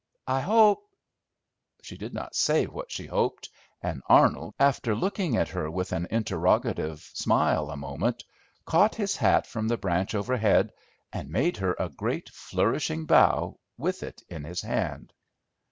I hope" She did not say what she hoped, and Arnold, after looking at her with an interrogative smile a moment, caught his hat from the branch overhead, and made her a great flourishing bow with it in his hand.